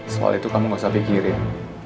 soal itu kamu gak usah pikirin